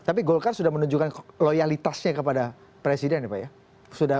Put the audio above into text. tapi golkar sudah menunjukkan loyalitasnya kepada presiden ya pak ya